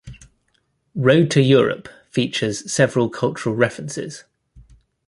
"Road to Europe" features several cultural references.